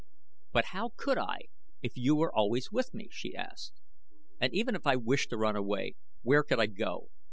"But how could I if you were always with me?" she asked. "And even if I wished to run away where could I go?